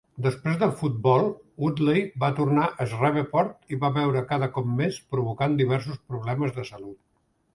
Després del futbol, Woodley va tornar a Shreveport i va beure cada cop més, provocant diversos problemes de salut.